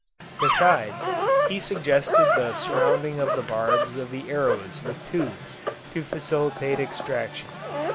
Besides, he suggested the surrounding of the barbs of the arrows with tubes, to facilitate extraction.